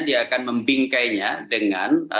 dia akan membingkainya dengan